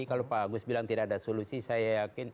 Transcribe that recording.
kalau pak agus bilang tidak ada solusi saya yakin